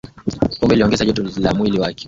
pombe iliongeza joto la mwili wake